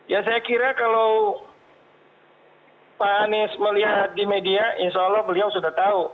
ya saya kira kalau pak anies melihat di media insya allah beliau sudah tahu